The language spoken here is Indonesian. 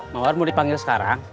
mawar mau dipanggil sekarang